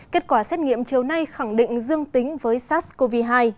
kết quả xét nghiệm chiều nay khẳng định dương tính với sars cov hai